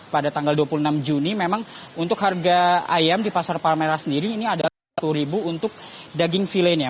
pada tanggal dua puluh enam juni memang untuk harga ayam di pasar palmerah sendiri ini adalah rp satu untuk daging filenya